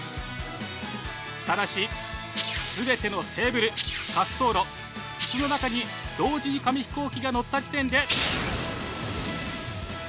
ただし全てのテーブル滑走路筒の中に同時に紙飛行機がのった時点で。